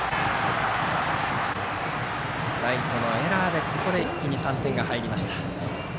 ライトのエラーでここで一気に３点が入りました。